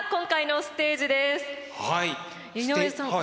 井上さん